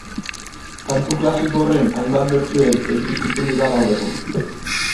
Kantu klasiko horren hainbat bertsio existitzen dira gaur egun